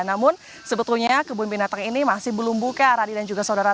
namun sebetulnya kebun binatang ini masih belum buka radi dan juga saudara